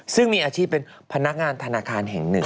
ซึ่งมีอาชีพเป็นพนักงานธนาคารแห่งหนึ่ง